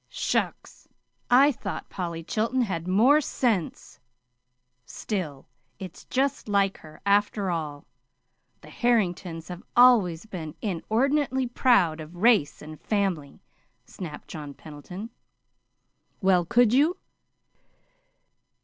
"Shucks! I thought Polly Chilton had more sense still, it's just like her, after all. The Harringtons have always been inordinately proud of race and family," snapped John Pendleton. "Well, could you?"